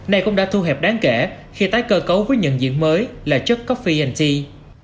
này cũng đã thu hẹp đáng kể khi tái cơ cấu với nhận diện mới là chất coffee tea